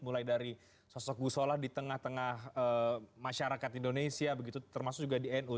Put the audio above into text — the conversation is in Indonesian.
mulai dari sosok gusola di tengah tengah masyarakat indonesia begitu termasuk juga di nu